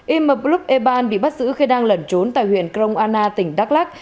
ym blub eban bị bắt giữ khi đang lẩn trốn tại huyện krong anna tỉnh đắk lắc